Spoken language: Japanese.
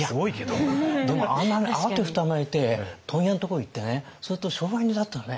でもあんなに慌てふためいて問屋のとこ行ってねそうすると商売人だったらね